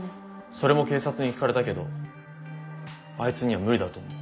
それも警察に聞かれたけどあいつには無理だと思う。